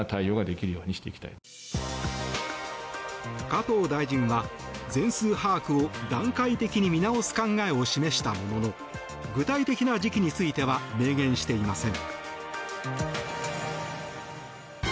加藤大臣は全数把握を段階的に見直す考えを示したものの具体的な時期については明言していません。